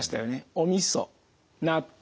おみそ納豆